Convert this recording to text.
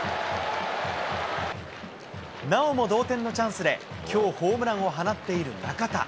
なおも同点のチャンスで、きょう、ホームランを放っている中田。